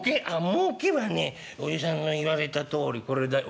もうけはねおじさんの言われたとおりこれだよ」。